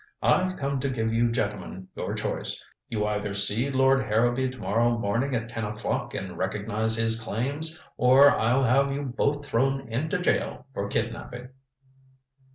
I've come to give you gentlemen your choice. You either see Lord Harrowby to morrow morning at ten o'clock and recognize his claims, or I'll have you both thrown into jail for kidnaping."